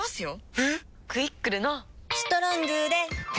えっ⁉「クイックル」の「『ストロング』で良くない？」